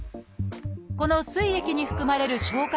このすい液に含まれる消化